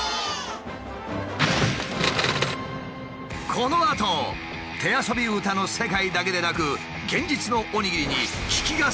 このあと手遊び歌の世界だけでなく現実のおにぎりに危機が迫っていることが判明。